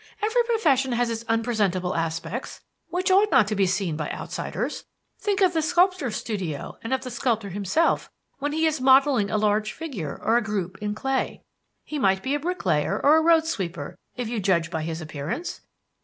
Every profession has its unpresentable aspects, which ought not to be seen by outsiders. Think of the sculptor's studio and of the sculptor himself when he is modeling a large figure or a group in clay. He might be a bricklayer or a roadsweeper if you judge by his appearance.